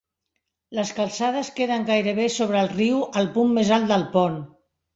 Les calçades queden gairebé sobre el riu al punt més alt del pont.